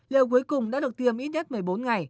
liệu cuối cùng đã được tiêm ít nhất một mươi bốn ngày